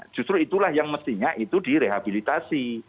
justru itulah yang mestinya itu direhabilitasi